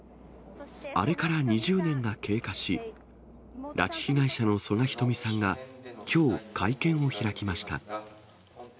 あれから２０年が経過し、拉致被害者の曽我ひとみさんがきょう会見を開きました。